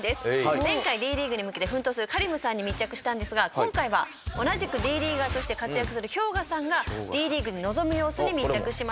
前回Ｄ．ＬＥＡＧＵＥに向けて奮闘するＫａｒｉｍさんに密着したんですが今回は同じくディーリーガーとして活躍するＨｙＯｇＡさんがＤ．ＬＥＡＧＵＥに臨む様子に密着しました。